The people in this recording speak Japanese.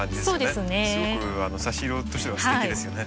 すごく差し色としてはすてきですよね。